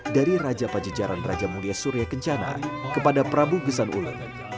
dari raja pajajaran raja mulia surya kencana kepada prabu gesan ulet